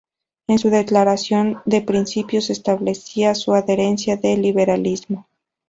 En su declaración de principios, establecía su adherencia al liberalismo.